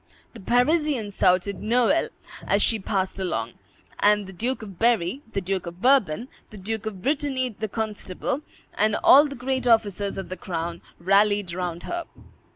The Parisians shouted "Noel," as she passed along; and the Duke of Berry, the Duke of Bourbon, the Duke of Brittany, the constable, and all the great officers of the crown rallied round her.